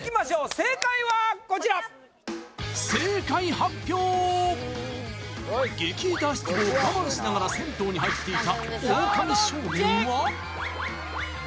正解はこちらこちら激イタ足ツボを我慢しながら銭湯に入っていたオオカミ少年は？